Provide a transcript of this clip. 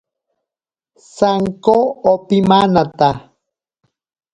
Sanko opimanata.